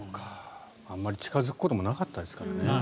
あんまり近付くこともなかったですからね。